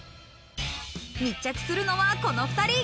密着するのはこの２人。